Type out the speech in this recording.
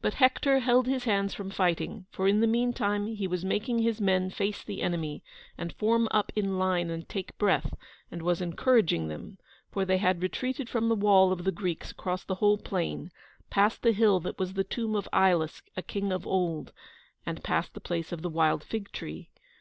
But Hector held his hands from fighting, for in the meantime he was making his men face the enemy and form up in line and take breath, and was encouraging them, for they had retreated from the wall of the Greeks across the whole plain, past the hill that was the tomb of Ilus, a king of old, and past the place of the wild fig tree.